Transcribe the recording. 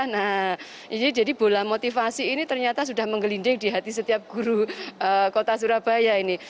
nah ini jadi bola motivasi ini ternyata sudah menggelinding di hati setiap guru kota surabaya ini